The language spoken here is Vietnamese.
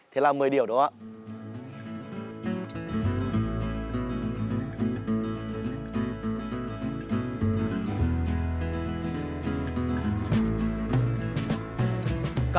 thế là mười điểm đúng không ạ